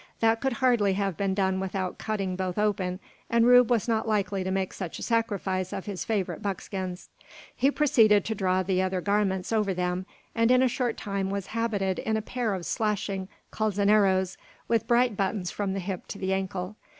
That could hardly have been done without cutting both open, and Rube was not likely to make such a sacrifice of his favourite buckskins. He proceeded to draw the other garments over them, and in a short time was habited in a pair of slashing calzoneros, with bright buttons from the hip to the ankle.